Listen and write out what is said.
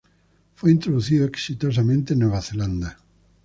Fue introducido exitosamente en Nueva Zelanda.